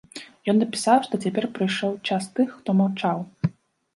Ён напісаў, што цяпер прыйшоў час тых, хто маўчаў.